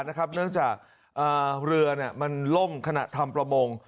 เนื่องจากเรือมันล่มขณะทำประมง